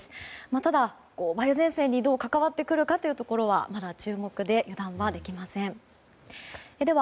ただ、梅雨前線にどう関わってくるかというところはまだ注目で油断はできません。